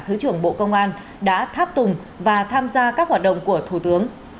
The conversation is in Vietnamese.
thứ trưởng bộ công an đã tháp tùng và tham gia các hoạt động của thủ tướng